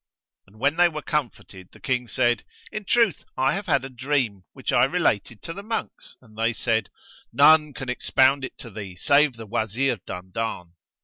And when they were comforted the King said, "In truth I have had a dream, which I related to the monks, and they said, "None can expound it to thee save the Wazir Dandan."